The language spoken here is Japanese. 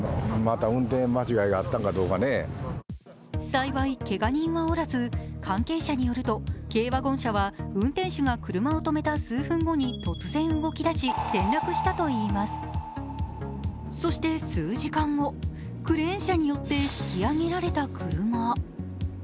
幸いけが人はおらず、関係者によると軽ワゴン車は運転手が車を止めた数分後に突然動きだし、転落したといいますそして数時間後、クレーン車によって引き揚げられた車。